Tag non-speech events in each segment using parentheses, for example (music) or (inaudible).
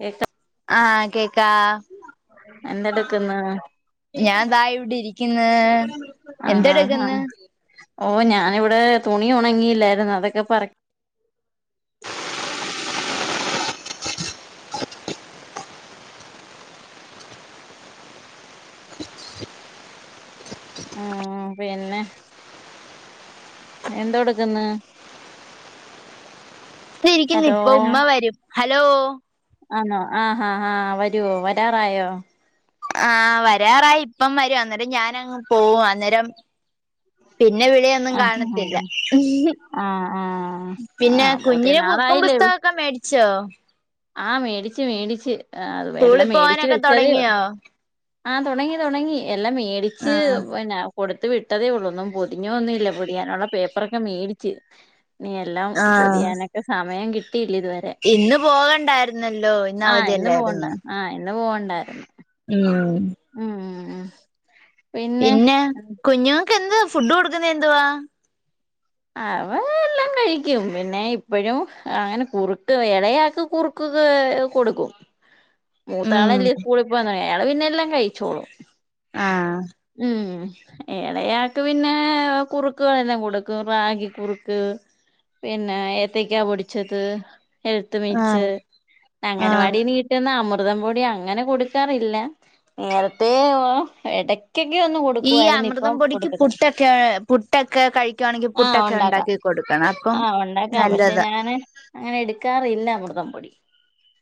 കേക്ക ആഹ് കേക്കാ എന്താ എടുക്ക്ന്ന് ഞാൻതാ ഇവിടെ ഇരിക്കുന്ന് ആഹ് ആഹ് എന്തെടുക്ക്ന്ന് ആഹ് ഓ ഞാനിവിടെ തുണിയുണങ്ങിയില്ലായിരുന്നു അതൊക്കെ പറക്കി ഉം പിന്നെ എന്തോട്ക്ക്ന്ന് ഇരിക്കുന്നു ഇപ്പൊ ഉമ്മ വരും ഹലോ ആണോ ആ ഹാ ഹാ വരുവോ വരാറായോ ആഹ് വരാറായി ഇപ്പം വരും അന്നേരം ഞനങ്ങ് പോവും അന്നേരം പിന്നെ വിളിയൊന്നും ആഹ് കാണത്തില്ല ആഹ് ആഹ് പിന്നെ ആഹ് ഒത്തിരി കുഞ്ഞിനെ ബുക്കും പുസ്തകൊക്കെ മേടിച്ചോ ആ മേടിച്ച് മേടിച്ച് അ എല്ലാം സ്കൂളിൽ മേടിച്ച് പോവാനൊക്കെ വെച്ചതേ തൊടങ്ങിയോ ആഹ തൊടങ്ങി തൊടങ്ങി എല്ലാം മേടിച്ച് പിന്നെ കൊടുത്ത് വിട്ടതേ ഒള്ള് ഒന്നും പൊതി ന്നുമല്ല പൊതിയാനുള്ള പേപ്പറൊക്കെ മേടിച്ച് നീ എല്ലാം ആഹ് പൊതിയാനൊക്കെ സമയം കിട്ടി കിട്ടീല്ലിതുവരെ ഇന്ന് പോകണ്ടായിരുന്നല്ലോ ആഹ് ഇന്ന് പോവണ്ട അവധിയല്ലായിരുന്നോ ആഹ് ഇന്ന് പോവണ്ടായിരുന്നു ഉം ഉം ഉ ഉം പിന്നെ കുഞ്ഞുങ്ങക്ക് എന്ത്വാ ഫുഡ് കൊടുക്കുന്ന എന്തുവാ അവൻ എല്ലാം കഴിക്കും പിന്നെ ഇപ്പഴും അങ്ങനെ കുറുക്ക് എളയാക്ക് കുറുക്ക് കൊടുക്കും ഉം മൂത്താളല്ലേ സ്കൂളിൽ പോന്ന അയാള് പിന്നെ എല്ലാം കഴിച്ചോളും ആഹ് എളേയാക്ക് പിന്നെ കുറുക്കുകളെല്ലാം കൊടുക്കും ക്ക് റാഗി കുറുക്ക് പിന്നെ ഏത്തക്കാ പൊടിച്ചത് എഴുത്ത് മീച്ച് ആഹ് ആഹ് അങ്ങനവാടി നീട്ടുന്ന അമു അമൃതം പൊടി അങ്ങനെ കൊടുക്കാറില്ല നേരത്തെ എ ഉച്ചക്ക് ഒന്ന് ഈ കൊടുക്കുവായിരുന്നു ഇപ്പൊ അമൃതം പൊടിക്ക് കൊടുക്കത്തില്ല പുട്ടൊക്കെ പുട്ടൊക്കെ കഴിക്കുവാണെങ്കിൽ ആഹ് പുട്ടൊക്കെ ഉണ്ടാക്കാം ഉണ്ടാക്കി കൊടുക്കണം അപ്പം ആഹ് ഉണ്ടാക്കാം. പക്ഷെ നല്ലതാ ഞാൻ അങ്ങനെ, എടുക്കാറില്ല അമൃ- തം പൊടി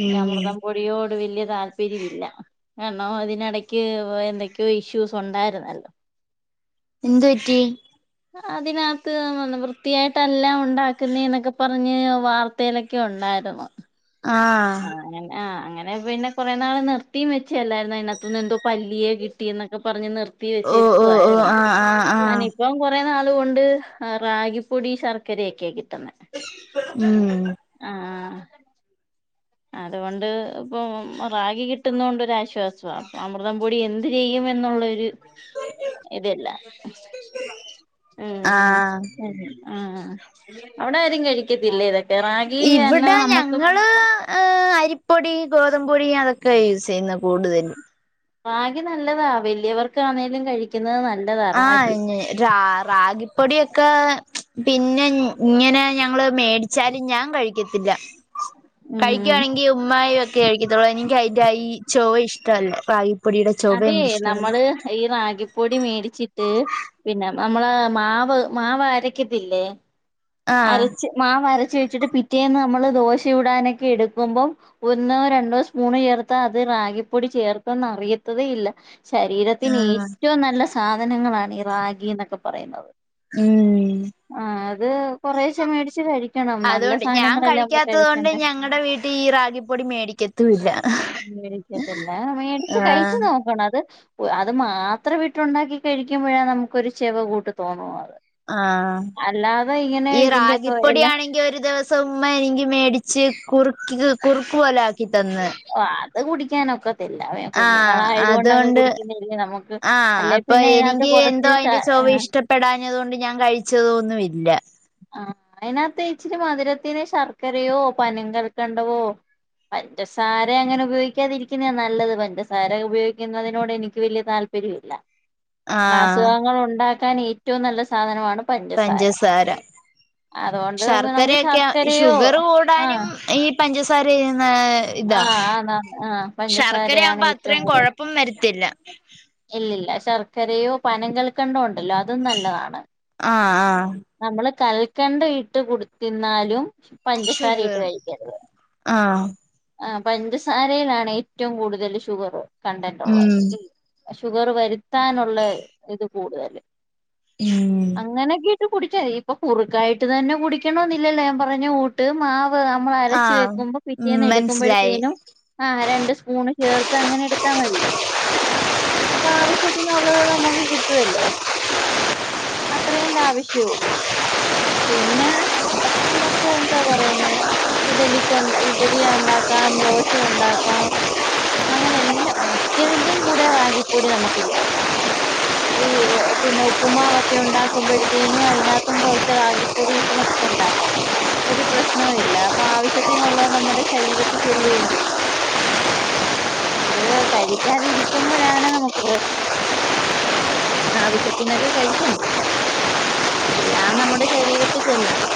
എനിക്ക് ഉം അമൃതം പൊടിയോട് വെല്ലിയ താല്പര്യമില്ല കാരണം ഇതിനെടെക്ക് എന്തൊക്ക്‌യോ ഇഷ്യൂസ് ഉണ്ടായിര്ന്നല്ലോ എന്തുപറ്റി അതിനാ. ത്ത് വൃത്തിയായിട്ടല്ല ഉണ്ടാക്ക്‌ന്നെന്നൊക്കെ പറഞ്ഞ്- വാർത്തെലൊക്കെ ഉണ്ടായിരുന്നു. ആഹ് അങ്ങെനാ. അങ്ങനെ പിന്നെ കോറെ നാൾ- നിർത്തിയും വെച്ചല്ലായിരുന്നോ. അതിന കുത്ത്ന്ന് എന്തോ പല്ലിയെ- കിട്ടീന്നോക്കെ പറഞ്ഞ് നിർ- ത്തി ഓ വെച്ചിരിക്കു ഓ ഓ ആയിരുന്ന്. ആഹ് ആഹ് ആഹ് ഞാനിപ്പം കോറെ- നാളുകൊണ്ട് റാഗിപ്പൊടി ശർക്കരയോക്കെ കി ട്ട്ന്നെ ഉം ആഹാ ആഹാ.. അതുകൊണ്ട് ഇപ്പം റാഗി കിട്ടുന്നൊണ്ടോരാശ്വാസാ അമൃതം പൊടി എന്ത് ചെയ്യും എന്നുള്ളോര്- ഇതെല്ല ഉം ഉം ഉം ആഹ് ഉം ഉം ഉം അവ്ടാരും കഴിക്കത്തില്ലേ, ഇതൊ- ഇവ്ട ഞങ്ങള്.. അരിപ്പൊടി ഗോതമ്പോടി അതൊക്കെയ യൂസെയ്യുന്നെ കൂടുതലും റാഗി നല്ലതാ വല്ലിയവർക്കാണേലും കഴിക്കിന്നത് നല്ല ആഹ് റാ റാഗിപ്പൊടിയൊ ക്കാ പിന്നെ ഇങ്ങനെ ഞങ്ങള് മേടിച്ചാലും ഞാൻ കഴിക്കത്തില്ല ഉം കഴിക്കിയാണെങ്കിൽ ഉമ്മായോക്കെ കഴിക്കത്തുള്ളൂ എനിക്കയിന്റെ ഈ ചൊവ ഇഷ്ട്ടോല്ല റാഗി അതെ നമ്മള് ഈ റാഗി പൊടി മേടിച്ചിട്ട് പിന്ന നമ്മളാ മാവ് മാവരക്കത്തില്ലേ ആഹ് അരച്ച് മാവ് അരച്ച് വെ ച്ചിട്ട് പിറ്റെന്ന് നമ്മൾ ദോശ- ചുടാനൊക്കെ എടുക്കുമ്പോ ഒന്നോ, രണ്ടോ സ്പൂൺ ചേർത്ത് അത് റാ- ഗി പ്പൊടി ചേർത്തെന്ന് അറിയത്തതേ ഇല്ല ശരീരത്തിന് ആഹ് ഏറ്റോം നല്ല- സാധനങ്ങളാണ് ഈ റാഗിന്നൊക്കെ പറയുന്നത്. ഉം ആഹ് അത്, കൊറേശ്ശെ മേടിച്ച് കഴിക്കണം നല്ല അതുകൊണ്ട് ഞാൻ സാധനങ്ങളല്ലേ നമ്മള് കഴിക്കാത്തത് കൊണ്ട് കഴിക്കണ്ടേ ഞങ്ങടെ വീട്ടിൽ ഈ റാഗിപ്പൊടി മേടിക്കെ ത്തു ഇല്ല. (unintelligible) മേടിക്കത്തില്ല മേടിച്ച് കഴിച്ചു നോക്കണം അത് മാത്രം ഇട്ടുണ്ടാക്കി കഴിക്കുമ്പോഴാ നമുക്കൊരു ചെവ കൂട്ട് തോന്നും അത് ആഹ് ഈ ഇതിന്റെയൊക്കെ റഗിപ്പൊടി എല്ലാ ആണെങ്കി ഒരു ദിവസം ഉമ്മണേങ്കി മേടിച്ച് കുറുക്കി കുറുക്കു പോലാക്കി തന്ന് അത് കുടിക്കാനൊക്ക ത്തില്ല ആഹ് കുഞ്ഞുങ്ങളായത് കൊണ്ടങ്ങ് അതുകൊണ്ട് കുടിക്കുന്നേ നമുക്ക് ആഹ് അല്ലെ അപ്പൊ പിന്നെ അതിനകത്ത് എനിക്ക് എന്തോ കൊറച്ച് ച അതിന്റെ ചൊവ ഇഷ്ടപ്പെടാഞ്ഞത് കൊണ്ട് ഞാൻ കഴിച്ചതൊന്നുല്ല ആഹ് അതിനകത്ത് ഇച്ചിരി മധുരത്തിന് ശർക്കരയോ പനം കൽക്കണ്ടവോ പഞ്ചസാര അങ്ങനെ ഉപയോഗിക്കാതിരിക്കുന്നാ നല്ലത് പഞ്ചസാര ഉപയോഗിക്കുന്നതിനോട് എനിക്ക് വലിയ താൽ ല്പര്യില്ല കാരണം ആഹ് അസുഖങ്ങൾ ഉണ്ടാക്കാൻ ഏറ്റവും നല്ല സാധനമാണ് പഞ്ചസാര അതുകൊണ്ട് നമുക്ക് ശർക്കരയൊക്കെ ശർക്കരയോ ഷുഗറ് കൂടാനും ആഹ് ഈ പഞ്ചസാര ചെയ്യുന്ന ഇതാ ആഹ് ആണ് ആഹ് പഞ്ചസാരയാണ് ശർക്കരയാവുമ്പോ ഏറ്റവും അത്രയും കൂടുതല് കൊഴപ്പം വരത്തില്ല ഇല്ലില്ല ശർക്കരയോ പനം കൽക്കണ്ടവോ ഉണ്ടല്ലോ അതും നല്ലതാണ് ആഹ് ആഹ് കൽക്കണ്ടം ഇട്ട് കൊടുത്തിരുന്നാലും പഞ്ചസാര ഇട്ട് ഷുഗർ കഴിക്കരുത് ആഹ് ആഹ് പഞ്ചസാരയിലാണ് ഏറ്റവും കൂടുതല് ഷുഗറ് കണ്ടന്റ് ഉള്ളത് ഉം ഷുഗറ് വരുത്താനുള്ള ഇത് കൂടുതല് ഉം അങ്ങനെക്കെ കുടിച്ചാ ഇപ്പൊ കുറുക്കായിട്ട് തന്നെ കുടിക്കണെന്നില്ലല്ലോ ഞാൻ പറഞ്ഞ കൂട്ട് മാ നമ്മൾ അരച്ച ആഹ് വെക്കുമ്പോ ഉം മനസ്സിലായി പിറ്റേന്നുടുക്കുമ്പോഴെത്തേനും ആ രണ്ട് സ്പൂൺ ചേർത്ത് അങ്ങനെ എടുത്താ മതി അപ്പൊ ആവശ്യത്തിനുള്ളത് നമുക്ക് കിട്ടുവല്ലോ അത്രേണ്ട ആവശ്യേള്ളൂ പിന്നെ നമക്ക് എന്താ പറയുന്ന ഇഡലിക്കൊണ്ട ഇ ഇഡലി ഉണ്ടാക്കാം ദോശ ഉണ്ടാക്കാം അങ്ങനെ എല്ലാം മിക്കതിന്റെയും കൂടെ റാഗിപ്പൊടി നമുക്ക് ചേർക്കാം ഈ പിന്നെ ഉപ്പുമാവൊക്കെ ഉണ്ടാക്കുമ്പോഴത്തേനും അയിനാത്തും കൊറച്ച് റഗിപ്പൊടി ഇട്ട് നു ഉണ്ടാകാം ഒരു പ്രശ്നവും ഇല്ല അപ്പൊ ആവശ്യത്തിനുള്ളത് നമ്മൾ ടെ ശരീരത്തി ചെല്ലുകയും ചെയ്യും ഇത് കഴിക്കാതിരിക്കുമ്പോഴാണ് നമുക്ക് പ്രശ്നം ആവശ്യത്തിനൊക്കെ കഴിക്കണ്ടേ എല്ലാം നമ്മുടെ ശരീരത്തി ചെല്ലണം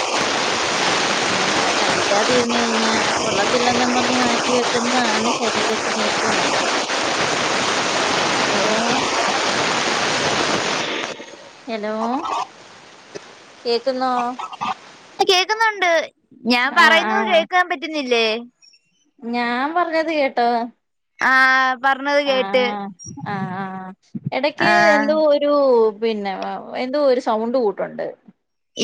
ഒന്നന്റെ കഴിക്കാതിരുന്ന് കഴിഞ്ഞാ കൊള്ളത്തില്ലെന്നും പറഞ്ഞ് മാറ്റി വെക്കുന്നതാണ് ശരീരത്തിന് ഏറ്റവും നല്ലത് ഹലോ ഹലോ കേക്കുന്നൊ കേക്കുന്നുണ്ട് ഞാൻ പറയുന്നത് ആഹ് കേൾക്കാൻ പറ്റുന്നില്ലേ ഞാൻ പറഞ്ഞത് കേട്ടോ ആഹ് പറഞ്ഞത് ആ കേട്ട് ആ ആഹ് എടക്ക് ആഹ് എന്തോ ഒരു പിന്നെ എന്തോ ഒരു സൗണ്ട് കൂട്ടുണ്ട്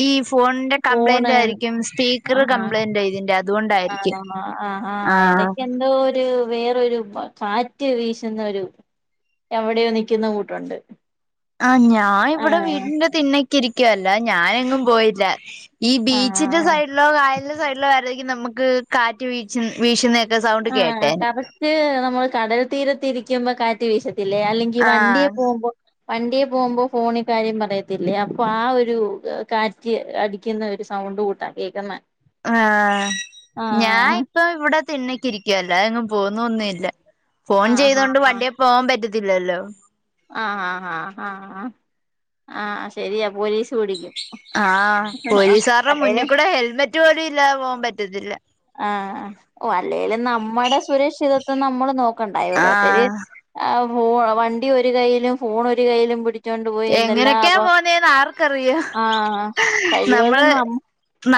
ഈ ഫോണിന്റെ ഫോണ് കംപ്ലൈന്റ് ആയിരിക്കും സ്പീക്കർ ആ കംപ്ലൈന്റ് ഇതിന്റെ ആ അതുകൊണ്ടായിരിക്കും ആ ആ ആഹ് ഇടയ്ക്കെന്തോ ഒരു വേറൊരു കാറ്റ് വീശുന്നൊരു എവിടെയോ നിക്കുന്ന കൂട്ടുണ്ട് ആ ഞാൻ ഇവിടെ ആഹ് വീട്ടിന്റെ തിണ്ണക്ക് ഇരിക്കുവല്ല ഞാനെങ്ങും പോയില്ല ഈ ബീച്ചിന്റെ ആഹ് സൈഡിലോ കായലിന്റെ സൈഡിലോ വരതെക്കും നമുക്ക് കാറ്റ് വീ വീശുന്ന ആ കപച്ച് നമ്മൾ കടൽ തീരത്തിരിക്കുമ്പോ കാറ്റ് വീശത്തില്ലേ അല്ലെങ്കി വണ്ടിയെ ആഹ് പോകുമ്പോൾ വണ്ടിയെ പോകുമ്പോ ഫോണി കാര്യം പറയത്തില്ലേ അപ്പൊ ആ ഒരു കാറ്റ് അടിക്കുന്ന ഒരു സം സൗണ്ട് കൂട്ടാ കേൾക്കുന്നെ ആ ഞാൻ ഇപ്പ ഇവിടെ തിണ്ണക്കിരിക്കുവല്ലോ എങ്ങും പോവുന്നോ ഒന്നുംല്ല ഫോൺ ആഹ് ചെയ്തൊണ്ട് ആഹ് വണ്ടിയ പോവാൻ പറ്റത്തില്ലല്ലോ ആ ആ ആ ആ ആ ശരിയാ പോലീസ് പിടിക്കും ആ പോലീസുകാരുടെ മുന്നിൽ അല്ലേലും കൂടെ ഹെൽമെറ്റ് പോലും ഇല്ലാതെ പോകാൻ പറ്റത്തില്ല ആ ഓ അല്ലേലും നമ്മുടെ സുരക്ഷിതത്വം നമ്മള് നോക്ക ണ്ടായി ഓരോരുത്തര് ആഹ് വണ്ടി ഒരു കയ്യിലും ഫോൺ ഒരു കയ്യിലും പി ടിച്ചോണ്ട് പോയി എന്തെല്ലാം എങ്ങനെയൊക്കെയാ അപ്പ പോന്നേന്ന് ആർക്കറിയാം ആ കഴിവതും നമ്മള് ന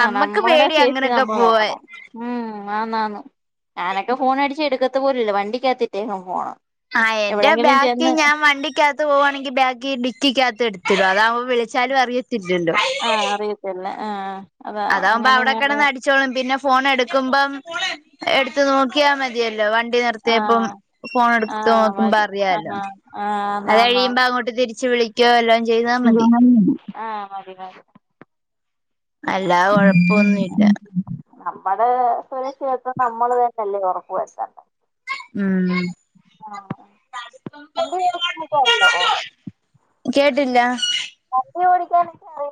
ആ നമ്മുടെ പേടിയാ സേഫ്റ്റി അങ്ങനൊക്കെ നമ്മൾ പോവാൻ നോക്കണം ഉം ആന്നാന്ന് ഞാനൊക്കെ ഫോൺടിച്ച് എടുക്കത്ത പോലുല്ല വണ്ടിക്കകത്തിട്ടേക്കും ഫോണ് ആഹ് എന്റെ എവിടെയെങ്കിലും ബാക്കി ചെന്ന് ഞാൻ വണ്ടിക്കകത്ത് പോകുകവാണെങ്കിൽ ബാഗി ഡിക്കികത്ത് എടുത്തിടും അതാവുമ്പ വി ളിച്ചാലും അറിയ ആഹ് അറിയത്തില്ല ആഹ് അതാ അതാകുമ്പ അവിടെ അങ്ങനെങ്ങാണ്ട് കെടന്ന് അടിച്ചോളും പിന്നെ ഫോൺ എടുക്കുമ്പം എടുത്തു നോക്കിയാമതി യല്ലോ വണ്ടി നിത്തിയപ്പം ആഹ് ഫോൺ എടുത്ത് ആഹ് നോക്കുമ്പോ മതി ആഹ് അറിയല്ലോ ആഹ് അത് ആന്നാന്ന് കഴിയുമ്പോ അങ്ങോട്ട് തിരിച്ച് വിളി ക്കോ വാല്ലോം ചെയ്താ മതി ആ മതി മതി അല്ലാതെ ഉം കൊഴപ്പൊന്നുല്ല ഉം ഉം നമ്മടെ സുരക്ഷിതത്വം നമ്മൾ തന്നെല്ലേ ഉറപ്പ് വരുത്തണ്ടെ. ഉം ആഹ് (unintelligible) അറിയോ. കേട്ടില്ലാ. വണ്ടി ഓടിക്കാനൊക്കെ അറി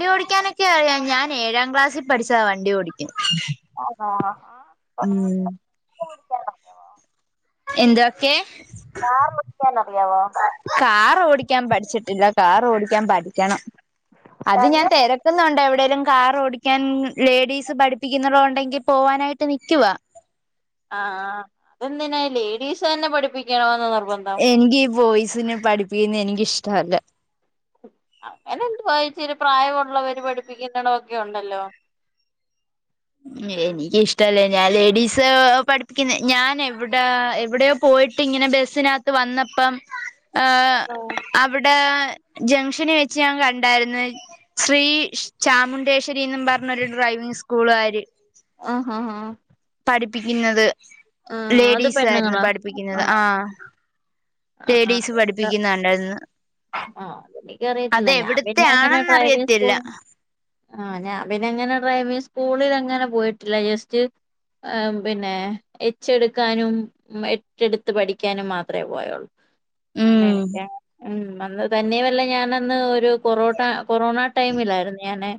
വണ്ടിയോടിക്കാനൊക്കെ അറിയ. ഞാൻ ഏഴാം ക്ലാസിൽ പഠിച്ചതാ വണ്ടി ഓടി ആണോ ആ ഹാ ഉം എന്തൊക്കെ കാർ ഓടിക്കാനറിയാവോ? ക്കാൻ പഠിച്ചിട്ടില്ല. കാർ ഓടിക്കാൻ പഠിക്കണം അത് രണ്ട് ഞാൻ തെരക്കുന്നെണ്ടെ ടേലും കാർ ഓടിക്കാൻ ലേഡീസ് പഠിപ്പിക്കുന്നതൊണ്ടെങ്കി പോവാനായിട്ട് നിക്കുവാ. ആഹ് ആഹ് അതെന്തിനാ ലേഡീസ് തന്നെ പഠിപ്പിക്കണോന്ന് നിർ എനിക്ക് ഈ ബോയ്സിനെ പഠിപ്പിക്കുന്നെ എനിക്കിഷ്ടവല്ല. അങ്ങനെ എന്തുവാ ഇച്ചിരി പ്രായമുള്ളവര് പഠിപ്പിക്കുന്നട ഒക്കെ ഉണ്ടല്ലോ. എനിക്ക് ഇഷ്ടവല്ല. ഞാൻ ലേഡീസ് പഠിപ്പിക്കുന്ന ഞാൻ എവ്ടാ എവിടെയോ പോ യിട്ട് ഇങ്ങനെ ബസിനകത്തു വന്നപ്പം ആഹ് അവിടെ ജംഗഷനീ വെച്ച് ഞാൻ കണ്ടായിരുന്നു. ശ്രീ ചാമുണ്ടേശരി ന്നു പറഞ്ഞൊരു ഡ്ര യ്വിംഗ് സ്കൂൾ ആ ആഹാഹ പഠിപ്പിക്കുന്നത്. ആഹ് അത് ലേഡീസ് ആയിരുന്നു പെണ്ണുങ്ങളാ പഠിപ്പിക്കുന്നത്. ആഹ് ആഹ് ലേഡീസ് അതെന്താ പഠിപ്പിക്കുന്ന കണ്ടായിരുന്ന്. ആഹ് അതെനിക്കറിയിത്തില്ല. ഞാൻ പിന്നെ അങ്ങനെ ഡ്രൈവ് ആണെന്നറിയത്തില്ല സ്‌കൂളും ആഹ് ഞാൻ പിന്നെങ്ങനെ ഡ്രൈവിംഗ് സ്കൂളിൽ അങ്ങനെ പോയിട്ടില്ല, ജസ്റ്റ് ഏഹ് പിന്നെ എച്ചെടുക്കാനും എട്ടെടുത്ത് പഠിക്കാനും മാത്രമേ പോയൊള്ളൂ. ഉം അതോണ്ടേ. ഉം അന്ന് തന്നെയുവല്ല ഞാനന്ന് ഒരു കൊറോട്ട കൊറോണ ടൈമിലായിരുന്നു ഞാനെ.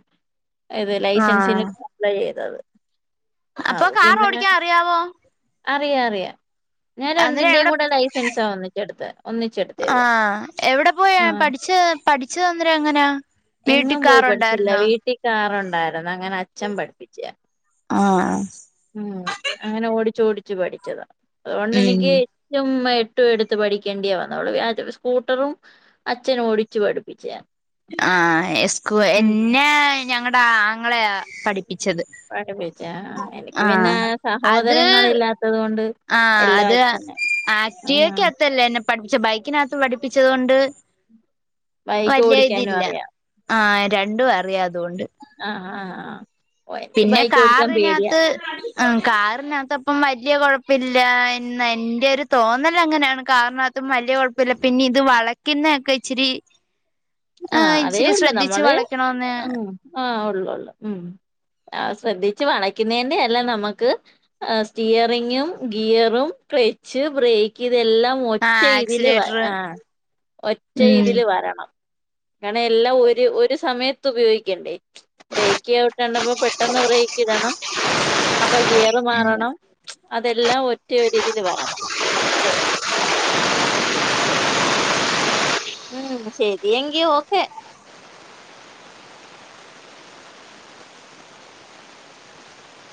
ഏത് ആ ലൈസൻസിന് അപ്ലൈ ചെയ്തത്. ആ അപ്പൊ കാർ പിന്നെ ഓടിക്കാൻ അറിയാവോ? അറിയാം അറിയാം ഞാൻ അന്നേരം രണ്ടിന്റെയും എവിടെ കൂടെ ലൈസൻസാ ഒന്നിച്ചെടുത്തെ ആ ഒന്നിച്ചെടുത്തെത് എവിടെ പോയാ പഠിച്ചത് പഠിച്ചത് അന്നേരം എങ്ങന എങ്ങും പോയി പഠിച്ചില്ല വീട്ടിൽ കാറ് ഒണ്ട- അന്ന് അങ്ങനെ അച്ഛൻ പഠിപ്പിച്ചയ ആ ഉം അങ്ങനെ ഓടിച്ച് ഓടിച്ച് ച്ചു പഠിച്ചതാ അതുകൊണ്ട് ഉം എനിക്ക് ഏറ്റവും - ഒട്ടും എടുത്ത് പഠിക്കേണ്ടിയ വന്ന് അവള് വിചാരിച് ഒരു സ്കൂട്ടറും അച്ഛനും ഓടിച്ചു പഠിപ്പിച്ചയാ- ആ സ്ക ഉം എന്നെ ഞങ്ങടെ ആങ്ങളയാ പഠി പഠിപ്പിച്ചേ ആ എനിക്ക് പിന്നെ അത് സഹോദരങ്ങളില്ലാത്തത് കൊണ്ട്- എല്ലാം അച്ഛ്നാ ആക്ടിവാക്കത്തല്ല എന്നെ പഠിപ്പിച്ചേ ബൈക്കിനാത്ത് പഠിപ്പിച്ചത് കൊണ്ട്- ബൈക്ക് വല്യ ഓടിക്കാനും ഇതില്ല അറിയാം ആ രണ്ടും അറിയാം അതുകൊണ്ട് ആഹ് ആഹഹ് ആഹ് ഓഹ് എനിക്ക് പിന്നെ ബൈക്ക് ഓടിക്കാൻ പേടിയാ കാറിനാത്ത് ആ കാറിന ഇപ്പം വലിയ കോഴപ്പമില്ല എന്ന് എന്റെ ഒരു തോന്നൽ അങ്ങനെയാണ് കാരണം അതും വലിയ കൊഴമില്ല പിന്നെ ഇത് വളക്കുന്നയെക്കെ ഇച്ചിരി- ആ ആഹ് ഇച്ചിരി അതേയുള്ളൂ ശ്രദ്ധിച്ച് നമ്മള് വളയ്ക്കണോന്ന് ആഹ ഉള്ള്ള്ള് ആ ശ്രദ്ധിച്ച് വളക്കുന്നെന്റ അല്ല നമ്മുക്ക് സ്റ്റിയറിങ്ങും ഗിയറും- കെളച്ച് ബ്രേയ്ക്ക് ഇതെല്ലാം ഒറ്റ ആഹ് ഇതില് വ ആക്സിലേറ്റർ ആ ഒറ്റ ഉം ഇതില് വരണം കാരണം എല്ലാം ഒരു ഒരു സമയത്ത് ഉപയോഗിക്കണ്ടേ ബ്രേക്ക് ചവുട്ടേണ്ടപ്പോ പെട്ടന്ന് ബ്രേക്ക്‌ - ക്കടനം (inaudible) അപ്പൊ ഗിയർ മാറണം അതെല്ലാം ഒറ്റ രീതിൽ വരണം അത്രയള്ള (inaudible) ഉം ശരി എങ്കി ഓക്കെ